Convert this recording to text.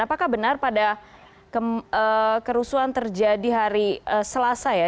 apakah benar pada kerusuhan terjadi hari selasa ya